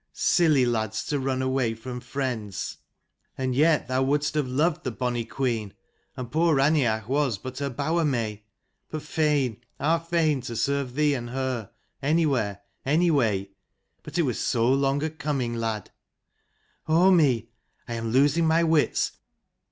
Silly lads to run away from friends ! And yet thou would'st have loved the bonny queen, and poor Raineach was but her bower may : but fain, ah fain to serve thee and her, anywhere, any way. But it was so long a coming, lad !" Oh me, I am losing my wits.